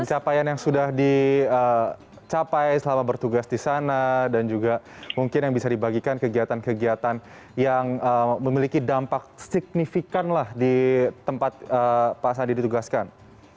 pencapaian yang sudah dicapai selama bertugas di sana dan juga mungkin yang bisa dibagikan kegiatan kegiatan yang memiliki dampak signifikan lah di tempat pak sandi ditugaskan